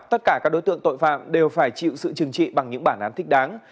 tất cả các đối tượng tội phạm đều phải chịu sự trừng trị bằng những bản án thích đáng